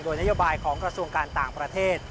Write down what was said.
โดยนโยบายของกระทรวงการต่างประเทศ